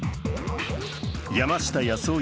山下八洲夫